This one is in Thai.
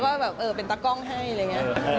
ว่าแบบเออเป็นตากล้องให้อะไรอย่างนี้